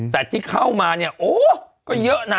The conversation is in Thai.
แต่ที่เข้ามาเนี่ยโอ้ก็เยอะนะ